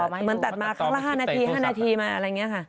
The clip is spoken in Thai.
เหมือนตัดมาครั้งละ๕นาที๕นาทีมาอะไรอย่างนี้ค่ะ